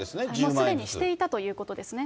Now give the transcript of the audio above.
すでにしていたということですね。